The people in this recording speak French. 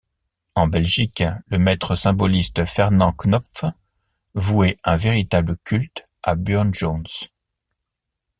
En Belgique, le maître symboliste Fernand Khnopff vouait un véritable culte à Burne-Jones.